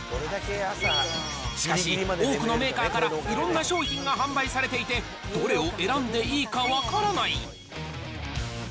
しかし、多くのメーカーからいろんな商品が販売されていて、どれを選んでいいか分からない。